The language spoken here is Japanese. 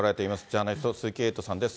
ジャーナリスト、鈴木エイトさんです。